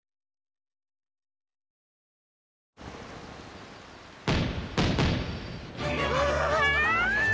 うわ！